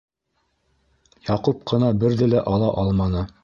Яҡуп ҡына берҙе лә ала алманы.